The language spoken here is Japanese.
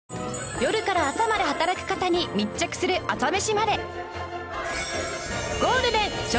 夜から朝まで働く方に密着する『朝メシまで。』